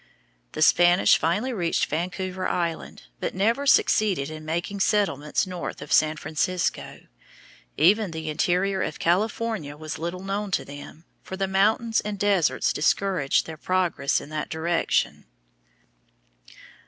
The Spanish finally reached Vancouver Island, but never succeeded in making settlements north of San Francisco. Even the interior of California was little known to them, for the mountains and deserts discouraged their progress in that direction.